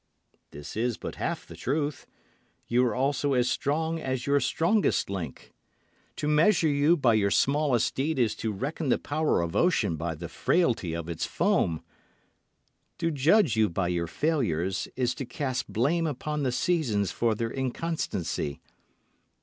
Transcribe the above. This is but half the truth. You are also as strong as your strongest link. To measure you by your smallest deed is to reckon the power of ocean by the frailty of its foam. To judge you by your failures is to cast blame upon the seasons for their inconstancy.